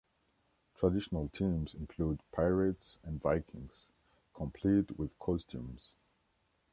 Traditional teams include Pirates and Vikings, complete with costumes.